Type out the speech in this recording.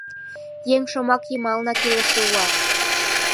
Еҥ шомак йымалнак илыше улам.